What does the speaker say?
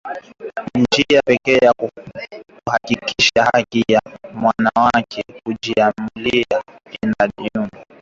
njia pekee ya kuhakikisha haki ya wanawake kujiamulia inalindwa